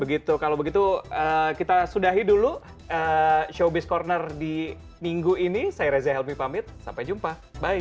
begitu kalau begitu kita sudahi dulu showbiz corner di minggu ini saya reza helmi pamit sampai jumpa